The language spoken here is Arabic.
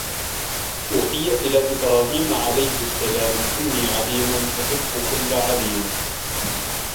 أُوحِيَ إلَى إبْرَاهِيمَ عَلَيْهِ السَّلَامُ أَنِّي عَلِيمٌ أُحِبُّ كُلَّ عَلِيمٍ